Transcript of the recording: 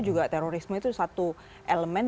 juga terorisme itu satu elemen